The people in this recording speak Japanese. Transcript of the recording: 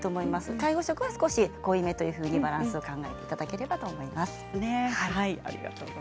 介護食は濃いめというふうにバランスを考えていただければと思います。